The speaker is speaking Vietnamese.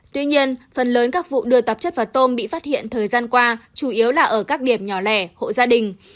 tuy nhiên phần lớn các vụ đưa tạp chất vào tôm bị phát hiện thời gian qua chủ yếu là ở các điểm nhỏ lẻ hộ gia đình